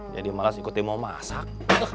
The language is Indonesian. jadi malas ikuti mau masak